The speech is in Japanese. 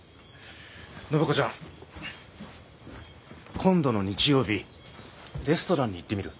暢子ちゃん今度の日曜日レストランに行ってみる？